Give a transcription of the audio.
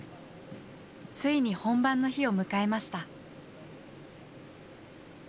ついに本番の日を迎えました。